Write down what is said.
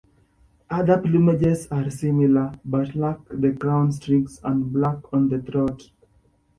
Other plumages are similar, but lack the crown streaks and black on the throat.